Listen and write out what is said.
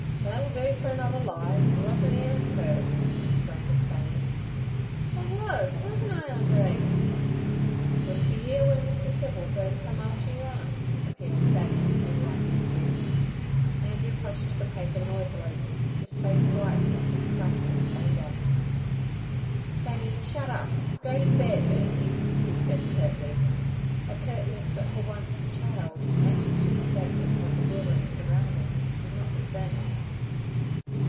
'That'll do fer another lie. You wuzn't 'ere et first' grunted Fanny. 'I was. Wasn't I, Andree?' 'Wuz she 'ere w'en Mr. Civil first come after yer aunt?' appealed Fanny, enlightening Jim. Andrew crushed the paper noisily, his face white with disgust and anger. 'Fanny, shut up! Go to bed, Ursie' he said curtly—a curtness that for once the child, anxious to escape from her bewildering surroundings, did not resent.